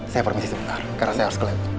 saya permisi sebentar karena saya harus ke lab